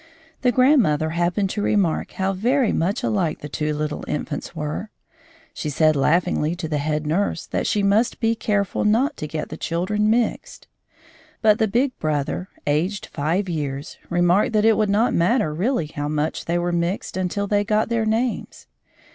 The grandmother happened to remark how very much alike the two little infants were. She said laughingly to the head nurse that she must be careful not to get the children mixed. But the big brother, aged five years, remarked that it would not matter really how much they were mixed until they got their names.